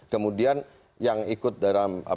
kemudian yang ikut dalam